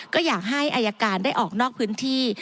ก็อยากให้อายการได้ออกนอกพื้นที่